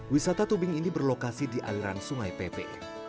wisata tubing ini berlokasi di aliran sungai pepe